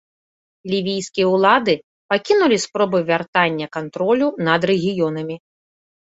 Лівійскія ўлады пакінулі спробы вяртання кантролю над рэгіёнамі.